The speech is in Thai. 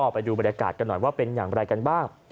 ไปดูบรรยากาศกันหน่อยว่าเป็นอย่างไรกันบ้าง